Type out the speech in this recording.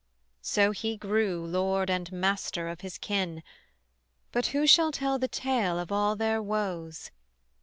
So he grew lord and master of his kin: But who shall tell the tale of all their woes?